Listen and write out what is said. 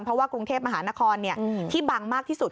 เพราะว่ากรุงเทพมหานครที่บังมากที่สุด